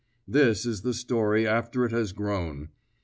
This is the story after it has grown.